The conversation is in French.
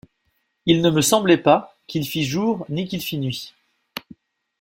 Il ne me semblait pas qu’il fît jour, ni qu’il fît nuit.